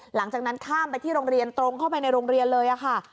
หลังจากนั้นข้ามไปที่โรงเรียนตรงเข้าไปในโรงเรียนเลยค่ะ